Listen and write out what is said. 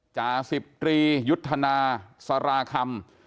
จาศิษฐรียุทธนาสารคำ